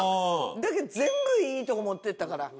だけど全部いいとこ持ってったから。